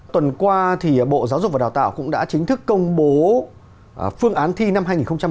tuần qua thì bộ giáo dục và đào tạo cũng đã chính thức công bố phương án thi năm hai nghìn hai mươi